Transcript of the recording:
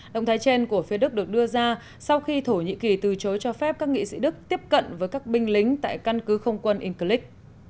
động thái trên của phía đức được đưa ra sau khi thổ nhĩ kỳ từ chối cho phép các nghị sĩ đức tiếp cận với các binh lính tại căn cứ không quân engcleak